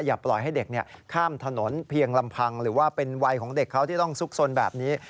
อย่าปล่อยให้เด็กข้ามถนนเพียงลำพังหรือว่าเป็นวัยของเด็กเขาที่ต้องซุกซนแบบนี้